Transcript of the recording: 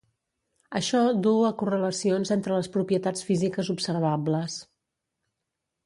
Això duu a correlacions entre les propietats físiques observables.